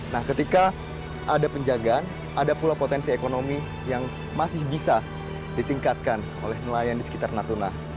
nah ketika ada penjagaan ada pula potensi ekonomi yang masih bisa ditingkatkan oleh nelayan di sekitar natuna